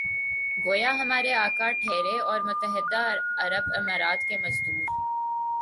گویا ہمارے آقا ٹھہرے اور متحدہ عرب امارات کے مزدور۔